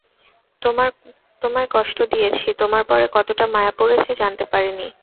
তোমায় কষ্ট দিয়েছি, তোমার পরে কতটা মায়া পড়েছে জানতে পারিনি?